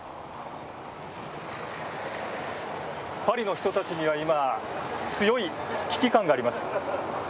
パリの人たちには、今強い危機感があります。